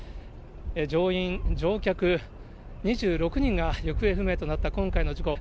乗員・乗客２６人が行方不明となった今回の事故。